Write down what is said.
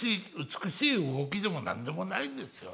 美しい動きでも何でもないんですよ。